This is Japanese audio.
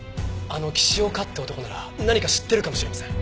あの岸岡って男なら何か知ってるかもしれません。